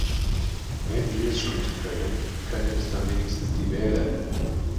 Wenn wir es schon nicht können, können es dann wenigstens die Wähler?